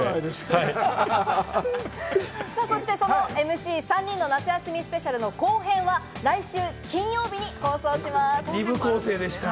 そして、そのＭＣ３人の夏休みスペシャルの後編は、来週金曜日に放送します。